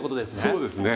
そうですね。